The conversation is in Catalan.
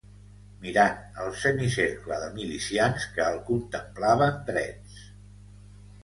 Mirant el semicercle de milicians que el contemplaven drets.